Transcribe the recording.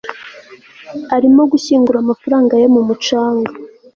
arimo gushyingura amafaranga ye mu mucanga